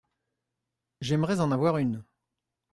J’aimerais en avoir une.